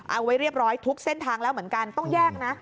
เอาไว้เรียบร้อยทุกเส้นทางแล้วเหมือนกันต้องแยกนะ